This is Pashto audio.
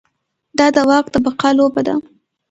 دا د واک د بقا لوبه ده.